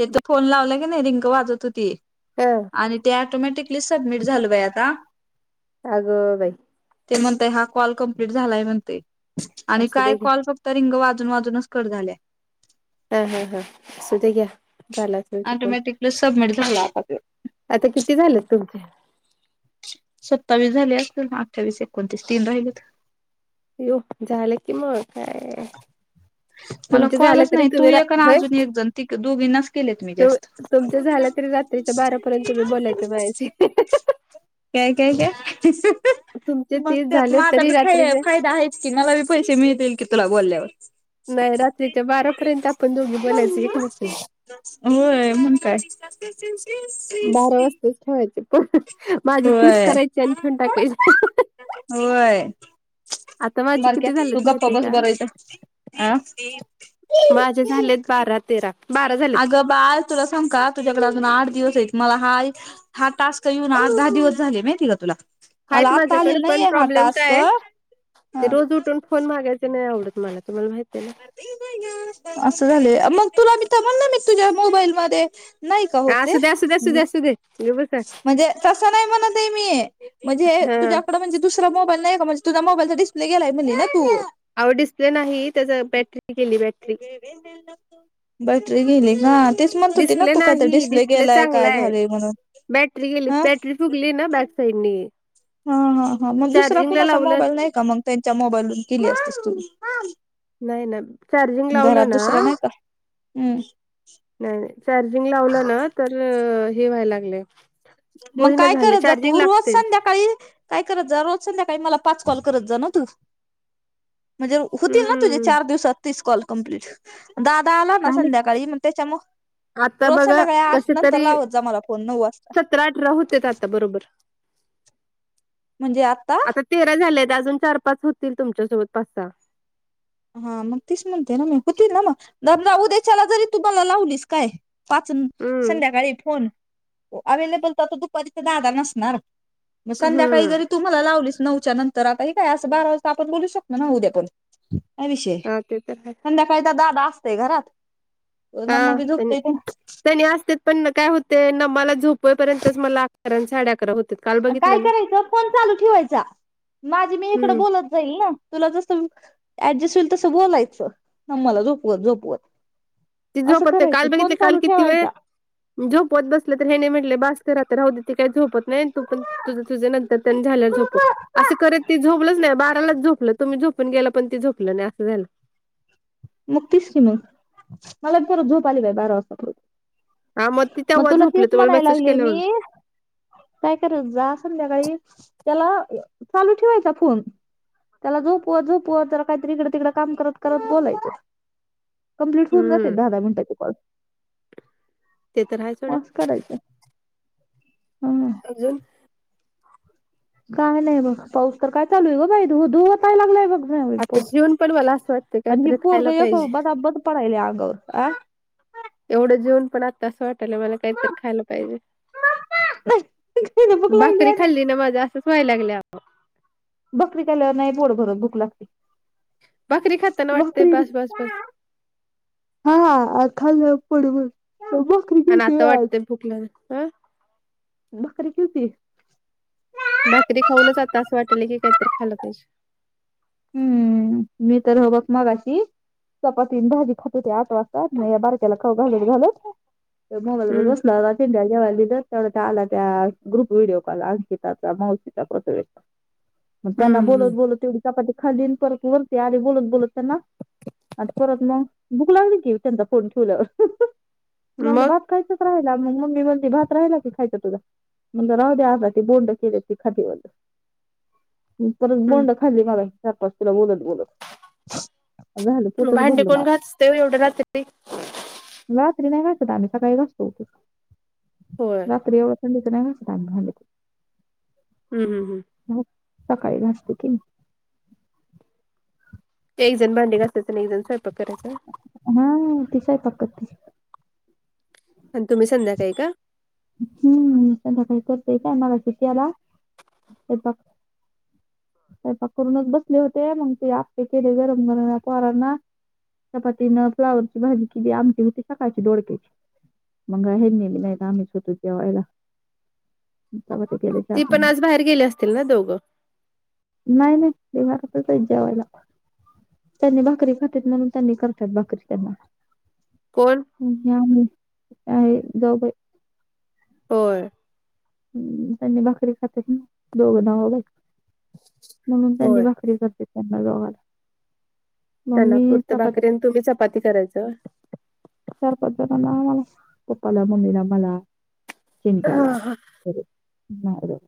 तेथ फोन लावला की नाही रिंक वाजत होती हा आणि ते आटोमॅटिक प्लीज सबमिट झाल बाय आता. अगं बाई ते म्हणताय हा कॉल कमप्लीट झालाय म्हणते आणि असू काय दे घ्या कॉल तर रिंग वाजून वाजूनच कट झाल्या. हा हा हा असूदे घ्या चालायचं. ऑटोमॅटिकच सबमिट झाला आता तो. आता किती झालेत तुमचे? सत्तावीस झाले असतील अठ्ठावीस एकोणतीस तीन राहिलेत. ईऊक झालं कि मग काय. मला तुमचे झालं कॉलच तरी नाही तू तुम्ही रा एक ना होय अजून एक जण ती दोघीनांच केलेत मी तु- जास्त. तुमचं झालं तरी रात्रीच्या बारापर्यंत तुम्ही बोलायचं माझ्याशी. काय काय काय तुमचे मग तीस त्यात झाले माझा तरी बी रात्रीचे फायदा हायच. कि मला बी पैसे मिळतील की तुला बोलल्यावर. नाही रात्रीच्या बारापर्यंत आपण दोघी बोलायचं एकमेकींशी. होय मग काय. बारा वाजताच ठेवायचे प माझे तीस होय करायचे आणि ठेवून टाकायचे. होय आता माझे किती झालेत माहितीये का? [unintelligible] आं माझे झालेत बारा तेरा बारा झालेत. अगं बाळ तुला सांगू का तुझ्याकडं अजून आठ दिवस आहेत मला हाय हा टास्क येऊन आठ दहा दिवस झाले माहितीये का तुला? मला आहेत आता माझ्याकडे आलेला पण नाहीये हा प्रॉब्लेम टास्क काय आहे? ते हं रोज उठून फोन मागायचे नाही आवडत मला तुम्हाला माहितीये ना. असं झालंय मग तुला बी तवा म्हणलं नाही तुझ्या मोबाईल मध्ये. नाही का होत ते. असुदे गप बस म्हणजे तसं नाही म्हणतये मी म्हणजे हा तुझ्याकडं म्हणजे दुसरा मोबाईल नाहीये का म्हणजे तुझा मोबाईलचा डिस्प्ले गेलाय म्हणली ना तू. अवो डिस्प्ले नाही त्याचं बॅटरी गेली बॅटरी. बॅटरी गेलीय का? तेच म्हणत होती ना डिस्प्ले तू काय तर नाही डिस्प्ले गेलाय चांगला काय आहे झालंय म्हणून बॅटरी गेली हां बॅटरी फुगली ना बॅक साईडनी. हा हा हा मग दुसरा चार्जिंगला कुणाचा लावलं मोबाईल नाही का मग त्यांच्या मोबाईलवरून केली असतीस तू. नाही ना चार्जिंग लावलं घरात ना दुसरा नाही का हम्म नाही नाही चार्जिंग लावलं ना तर हे व्हायला लागलंय. मग काय करत जा तू रोज लागते संध्याकाळी काय करत जा रोज संध्याकाळी मला पाच कॉल करत जा ना तू. म्हणजे होतील ना तुझे हम्म चार दिवसात तीस कॉल कंप्लीट. दादा आला ना झाले संध्याकाळी मग त्याच्या मो आता रोज बघा संध्याकाळी आठ कसे नंतर तरी लावत जा मला फोन नऊ वाजता. सतरा अठरा होतेत आता बरोबर. म्हणजे आता. तेरा झाले तर अजून चार पाच होतील तुमच्यासोबत पाच सहा. हा मग तीच म्हणते ना मी होतील ना मग राहुदे उद्याचाला जरी तुम्हाला लावलीस काय पाच हम्म संध्याकाळी फोन अव्हेलेबल तर आता दुपारीचा दादा नसणार मग संध्याकाळी हम्म जरी तू मला लावलीस नऊच्या नंतर आता हे काय असं बारा वाजता आपण बोलूच शकतो ना उद्या पण. काय विषय हा ते तर आहे संध्याकाळी काय दादा असतोय घरात. हा मम्मी तेनी झोपतय ते तेनी असतेत. पण ना काय होतंय नमाला झोपवे पर्यंतच मला अकरा आणि साडे अकरा होतेत. काय करायचं फोन चालू ठेवायचा माझी मी इकडं हम्म बोलत जाईल ना तुला जसं ऍडजेस्ट हुईल तसं बोलायचं नमाला झोपवत झोपवत. ती असं झोपत करायचं काल फोन बघितली काल चालू किती वेळ ठेवायचा झोपत बसले तर हेनी म्हटले बास कर आता राहूदे ती काय झोपत नाइ तू पण तुझं तुझं नंतर तेन झाल्यावर झोपोव असं करत ते झोपलंच नाइ बारालाच झोपलं तुम्ही झोपून गेला पण ते झोपलं नाइ असं झालं. म तेच की म मला परत झोप आली बाई बारा वाजता हा मग खरं ती म तेव्हा तुला झोपलं तेच तुम्हाला म्हणाय मेसेज लागले केल्यावर मी काय करत जा संध्याकाळी तेला चालू ठेवायचा फोन तेला झोपवत झोपवत जरा कायतरी इकडं तिकडं काम करत करत बोलायचं. कंप्लीट हुन जातय हम्म दहा दहा मिनिटाचे कॉल ते तर आहे म सोडा आस करायचं हा. अजून. काय नाइ बघ पाऊस तर काय चालूय गं बाई धो धो वताय लागलाय. बग बाई आता पाऊस जेवून पण मला असं वाटतं आणि हे काहीतरी पोरग खायला एक पाहिजे बदा बदा पडायल अंगावर अं एवढं जेवून पण आत्ता असं वाटायल मला कायतर खायला पाहिजे. नाही भूक लागली भाकरी आणि खाल्ली ना माझं असच व्हाय लागलय आओ भाकरी खाल्ल्यावर नाइ पोट भरत भूक लागती. भाकरी खातना वाटतंय बास बास बास हा हा आ खाल्या पोटभर ये बघ आण आता वाटतय भुक लागल्या हं. भाकरी [unintelligible] भाकरी खाऊनच आता असं वाटालय की कायतर खाल्लं पाहिजे. हम्म मी तर ह बघ मगाशी चपाती आणि भाजी खात होते आठ वाजता म या बारक्याला खाऊ घालत घालत. ते मोबाईल [unintelligible] हम्म. पिंट्याला जेवायला दिलं तेवढ्यात त्या आल्या त्या ग्रुप व्हिडिओ कॉल अंकिताचा मावशीचा प्रोसो म त्यांना बोलत हम्म बोलत तेवढी चपाती खाली परत वरती आले बोलत बोलत त्यांना आता परत म भुक लागली की तेचा फोन ठेवल्यावर म मग भात खायचं राहिला म मम्मी म्हटली भात राहिला की खायचं तुझा म्हणलं राहूदे आबा बोंड केल्यात ते खाते म्हणलं परत हम्म बोंड खाल्ली मगाशी चार पाच तुला बोलत बोलत. झालं पोटच भांडी भरलं कोण माझं घासतय व्हय एवढ्या रात्री. रात्री नाइ घासत आम्ही सकाळी घासतो उठून होय. रात्री येवढ्या थंडीच नाइ घासत आम्ही भांडी. हम्म हम्म हम्म. घास- सकाळी घासते की मी एक जण भांडी घासायचं आणि एक जण स्वयंपाक करायचा. हा ती स्वयंपाक करती. आणि तुम्ही संध्याकाळी का? हम्म संध्याकाळी करतोय [unintelligible] स्वयंपाक स्वयंपाक करूनच बसले होते म्हणून ते आप्पे केले गरमगरम या पोरांना चपाती न फ्लावरची भाजी केली आमटी होती, सकाळची दोडक्याची. म हेनी बी नाइत आम्हीच होतो जेवायला तेव्हा तेे [unintelligible] [unintelligible] दोघ. नाइ नाइ ते घरातच हाय जेवायला. त्यांनी भाकरी खात्यात म्हणून त्यांनी करत्यात भाकरी त्यांना. कोण? मी आणि त्या जाऊबाई होय हम्म त्यांनी भाकरी खातात ना दोघ नवरा-बायको म्हणून त्यांनी होय. भाकरी करतात ते त्यांना दोघांना मग मी त्यांनापुरत चपात्या भाकरी आणि करते. तुम्ही चपाती करायचं होय चार पाच जणांना आम्हाला पप्पाला, मम्मीला, मला, हा चिनट्याला हा. तरी नाही बाई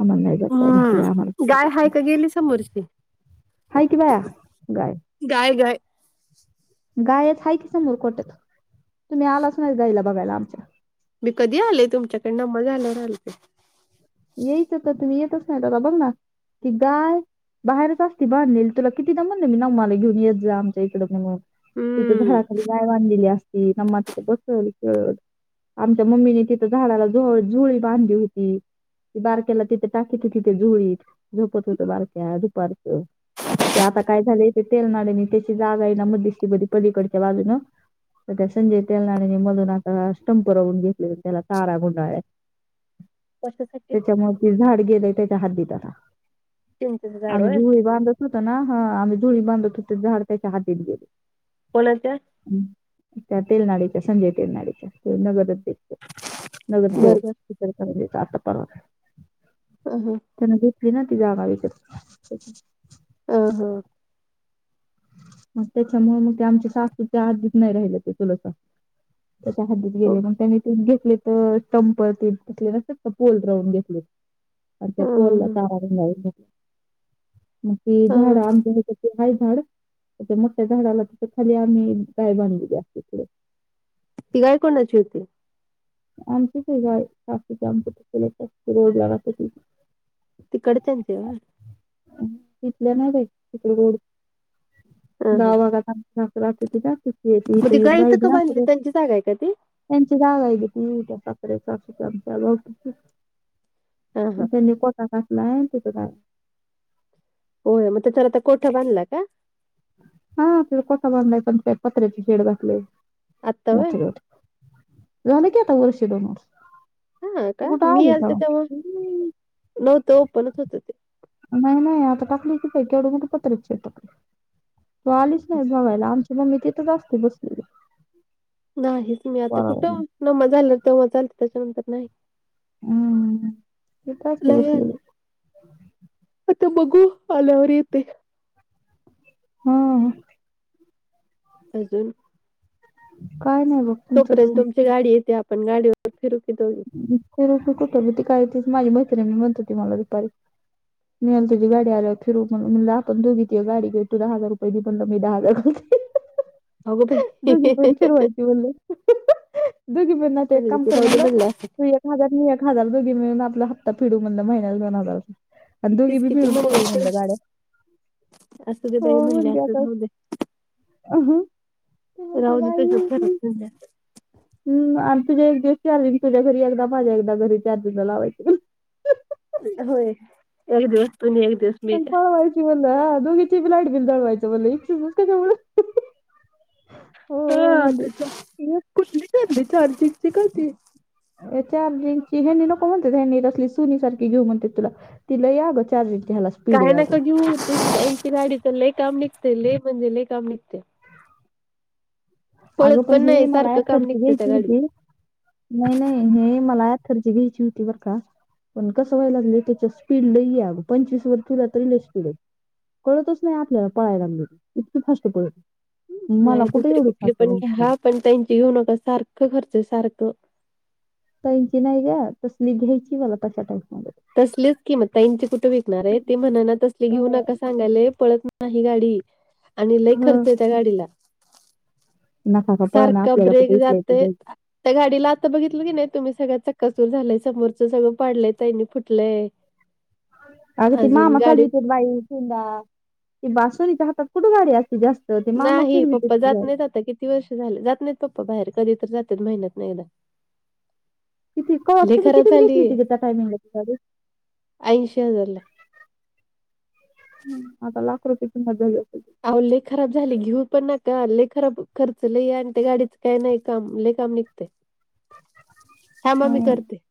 आम्हाला नाही जात भाकरी आम्हाला हम्म गाय करायची. हाय का गेली समोरची हाय कि बा गाय गाय गाय गायच हाय की समोर गोठ्यात तुम्ही आलाच नाही गाईला बघायला आमच्या मी कधी आलेय तुमच्याकडे नम्मा झाल्यावर आलते यायचं तर तुम्ही येतच नाही आता बघ ना ती गाय बाहेरच असती बांधलेली तुला कितीदा म्हणलं मी नम्माला घेऊन येत जा आमच्या इकड म्हणून तिथं हम्म झाडाखाली गाय बांधलेली असती नम्मा तिथे बसल खेळल आमच्या मम्मीने तिथं झाडाला झोळी बांधली होती ती बारक्याला तिथ टाकत होती त्या झोळीत झोपत होतं बारक्या दुपारचं ते आता काय झालंय ते तेलनाडेन त्याची जागा आहे ना मध्यस्तमध्ये पलीकडच्या बाजूनं तर त्या संजय तेलनाडेन मधून आता स्टंप रवून घेतले त्याला तारा गुंडाळल्यात कशासाठी त्याच्यामुळं ते झाड गेलयं त्याच्या हद्दीत आता चिंचेच झाड आम्ही होय झोळी बांधत होत ना हा आम्ही झोळी बांधत होतो झाड त्याच्या हद्दीत गेलय कोणाच्या हम्म त्या तेलनाडेच्या संजय तेलनाडेच्या त्यो नगराध्यक्ष नगरसेवक बरोबर इचलकरंजीचा आता परवा हम्म हम्म त्यांन घेतली ना ती जागा विकत हम्म हम्म मग त्याच्यामुळे मग ते आमच्या सासूच्या हाद्दीत नाही राहिलं ते [unintelligible] त्याच्या हद्दीत गेलयं पण त्यांनी ते घेतलंय तर स्टंप ते तसले नसतात का पोल रवून घेतले आणि त्या पोलला ह तारा [unintelligible] मग ते झाड ह आमच्या हेच्यातले आहे झाड त्या मोठ्या झाडाला तिथ खाली आम्ही गाय बांधलेली असते तिकडं ती गाय कोणाची होती आमचीच आहे गाय [unintelligible] रोडला राहते ती तिकडच्यांची होय इथल्या नाही बाई [unintelligible] ह ह गाव भागात आमच्या [unintelligible] मग इथे ती येऊन गाय इथं राहील का ना बांधली त्यांची जागा आहे का ती त्यांची जाग आहे गं ती त्या [unintelligible] हा हा अन त्यांनी गोटा टाकलाय तिथं गाय होय मग त्याला आता गोटा बांधलाय काय हा आपल्याला गोटा बांधायचा पण पत्र्याची शेड घातलयं आत्ता होय मोठ्यागत झालं की आता वर्ष दोन वर्ष हा तू का कुठं मी आली आलते तेव्हा तवा नव्हतं ओपणच होतं ते नाही नाही आता टाकलंय की बाई केवढ मोठ पत्र्याच शेड टाकलंय तु आलीच नाही बघायला आमची मम्मी तिथंच असते बसलेली नाहीच मी आता वाराला कुठं मग. नम्मा झाली तेव्हाच आलती त्याच्यानंतर नाही हम्म. तिथं असते लय बसलेली आता बघू आल्यावर येते हम्म अजून काय नाही बघ तुमचंच तोपर्यंत सांग तुमची गाडी येत्या आपण गाडीवर फिरू की दोघी [unintelligible] माझी मैत्रिणी म्हणत होती मला दुपारी मी अन् तुझी गाडी आल्यावर फिरू म्हणलं म्हणलं आपण दोघी त्या गाडी तू दहा हजार रुपये म्हणलं मी दहा हजार घालते अगो बाई दोघी मिळून म्हणलं फिरवायची म्हणलं दुघीपण आता एक काम की कर राहू दे म्हणलं असं तू एक हजार मी एक हजार दुघी मिळून आपला हप्ता फिडू म्हणलं महिन्याला दोन हजारचा आणि दुघी तीच बी किती मिळून फिरवू म्हणलं असेल गाड्या असू दे हो बाई म्हण म्हणले असं राहू ती दे म्हणते राहू दे तुझ्याच बाई घरात म्हणलं हम् आणि तुझ्या एक दिवस चार्जिंग तुझ्या घरी एकदा माझ्या एकदा घरी चार्जिंगला लावायंचं होय एक दिव पण पळवायची म्हणला दोघीची बि लाईट बिल जळवायचं म्हणलं एकटीचंच कशाला हा ते म्हणते कुठली ठरली चारजिंगची काय ती? चार्जिंगची हेंनी नको म्हणताहेत ह्यांनी कसली सुनी सारखी घेऊ म्हणताहेत तुला ती लई अगं चार्जिंग ठेवाय लागतं काय नका घेऊ त गाडीचं लय काम निघते लय म्हणजे लय काम निघते पळत अगं पण हे नाही मला सारखं काम [unintelligible] निघते त्या घ्यायची गाडीत होती नाही नाही हे मलात खर्ची द्यायची होती बर का? पण कसं व्हाय लागलय त्याच्या स्पीड लई हाय अगं पंचवीस वर ठेवला तरी लई स्पीड आहे कळतच नाही आपल्याला पळायला लागली की इतकी फास्ट पळते नाही दुसरी कुठली पण घ्या पण त्यांची घेऊ नका सारखं खर्च हाय सारखं त्यांची नाही ग तसली घ्यायची मला तशा टाईप मध्ये तसलीच कि मगं त्यांची कुठं विकणार आहे ते म्हणाना तसले घेऊ नका सांग सांगाले पळत नाही गाडी आणि लई हम्म. खर्च आहे त्या गाडीला नका का पळणं सारखा आपल्याला ब्रेक कुठे इथल्या इथे जातंय जायचं त्या गाडीला आता बघितलं की नाही तुम्ही सगळं चक्काचूर झालंय समोरच सगळं पाडलंय त्यांनी फुटलंय [inaudible] अग ते अजून मामा चालू गाडी येत बाई तीनदा ती बा सुनीच्या हातात कुठे गाडी असते जास्त ते मामा नाही फिरवीत पप्पा ती जात गाडी नाहीत आता किती वर्ष झाले जात नाहीत पप्पा बाहेर कधी तर जातात महिन्यातन एकदा किती क वात लय तुमी खराब कितीला झाली घेतलीती त्या टायमिंगला ती गाडी ऐंशी हजारला हम् आता लाख रुपये किंमत झाली असल त्याची आव लई खराब झाले घेऊ पण नका लई खराब खर्च लई आहे आणि ते गाडीचं काय नाही काम लई काम निघ [inaudible] थांबा मी हम्म, करते